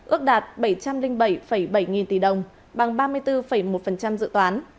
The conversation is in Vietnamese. ước đạt bảy trăm linh bảy bảy nghìn tỷ đồng bằng ba mươi bốn một dự toán